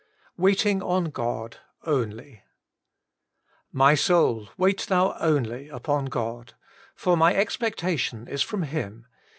WAITING ON GOD: * My soul, wait thou only npon Ood ; For my expectation is from Him.